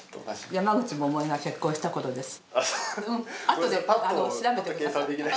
山口百恵が結婚した頃です。